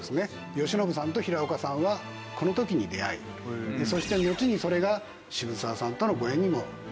慶喜さんと平岡さんはこの時に出会いそしてのちにそれが渋沢さんとのご縁にもなると。